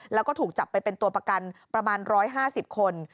แล้วก็ถูกจับไปเป็นตัวประกันประมาณ๑๕๐คน